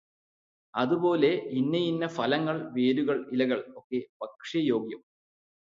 അതുപോലെ ഇന്നയിന്ന ഫലങ്ങൾ, വേരുകൾ, ഇലകൾ ഒക്കെ ഭക്ഷ്യയോഗ്യം.